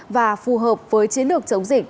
và phù hợp với chiến lược chống dịch